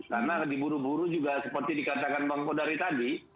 karena diburu buru juga seperti dikatakan bang kodari tadi